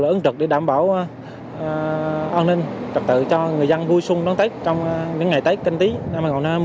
ứng trực để đảm bảo an ninh trật tự cho người dân vui xuân đón tết trong những ngày tết canh tí năm hai nghìn hai mươi